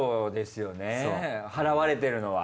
払われてるのは。